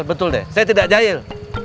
betul deh saya tidak jahil